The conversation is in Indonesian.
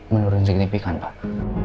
menurun signifikan pak